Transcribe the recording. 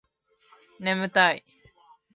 眠たい